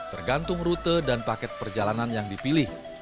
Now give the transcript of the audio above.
tergantung rute dan paket perjalanan yang dipilih